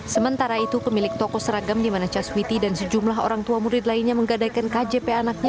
sementara itu pemilik toko seragam di mana caswiti dan sejumlah orang tua murid lainnya menggadaikan kjp anaknya